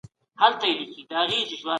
ځینې وخت موږ د خپلو غوښتنو په اړه تېروځو.